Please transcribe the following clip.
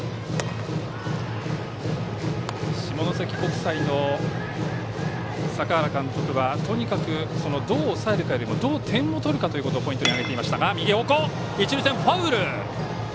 下関国際の坂原監督はとにかく、どう抑えるかよりもどう点を取るかということをポイントに挙げていました。